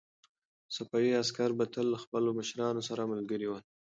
صفوي عسکر به تل له خپلو مشرانو سره ملګري ول.